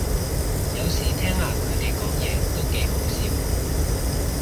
有時聽下佢哋講嘢都幾好笑